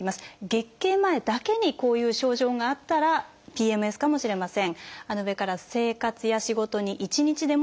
月経前だけにこういう症状があったらＰＭＳかもしれません。